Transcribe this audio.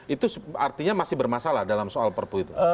itu artinya masih bermasalah dalam soal perpu itu